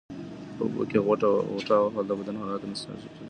په اوبو کې غوټه وهل د بدن حرارت مناسب ساتي.